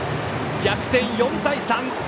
逆転、４対３！